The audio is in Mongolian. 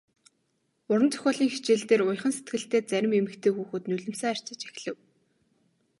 Уран зохиолын хичээл дээр уяхан сэтгэлтэй зарим эмэгтэй хүүхэд нулимсаа арчиж эхлэв.